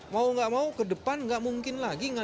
mau gak mau ke depan gak mungkin lagi